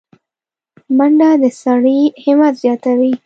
منډه د سړي همت زیاتوي